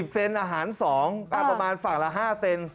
เซนอาหาร๒ประมาณฝั่งละ๕เซน